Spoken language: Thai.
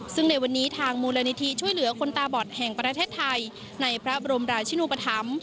ซึ่งในวันนี้ทางมูลนิธิช่วยเหลือคนตาบอดแห่งประเทศไทยในพระบรมราชินุปธรรม